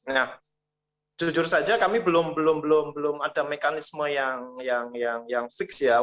nah jujur saja kami belum belum ada mekanisme yang fix ya